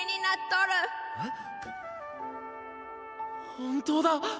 本当だ！